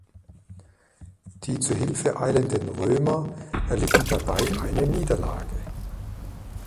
Die zu Hilfe eilenden Römer erlitten dabei eine Niederlage.